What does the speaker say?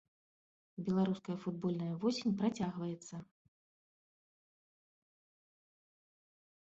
Беларуская футбольная восень працягваецца!